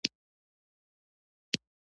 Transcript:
د یوریا کرسټلونه سپین رنګ لري.